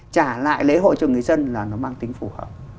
trả lại lễ hội cho người dân là nó mang tính phù hợp